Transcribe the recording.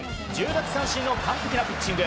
１０奪三振の完璧なピッチング。